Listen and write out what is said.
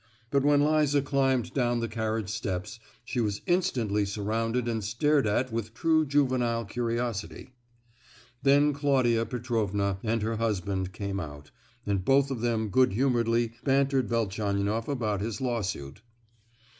But when Liza climbed down the carriage steps, she was instantly surrounded and stared at with true juvenile curiosity. Then Claudia Petrovna and her husband came out, and both of them good humouredly bantered Velchaninoff about his lawsuit.